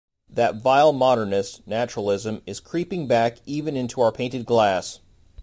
That vile modernist, naturalism, is creeping back even into our painted glass.